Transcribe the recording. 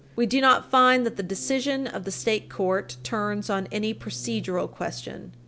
We do not find that the decision of the state court turns on any procedural question.